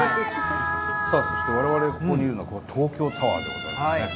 さあそして我々がいるのは東京タワーでございますね。